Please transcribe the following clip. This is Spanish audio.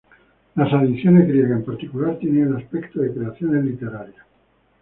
Las adiciones griegas en particular tienen el aspecto de creaciones literarias.